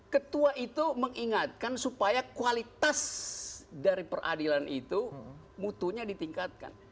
ketua itu mengingatkan supaya kualitas dari peradilan itu mutunya ditingkatkan